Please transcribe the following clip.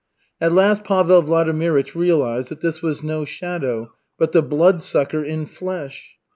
At last Pavel Vladimirych realized that this was no shadow but the Bloodsucker in flesh.